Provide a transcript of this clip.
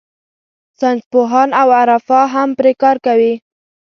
ساینسپوهان او عرفا هم پرې کار کوي.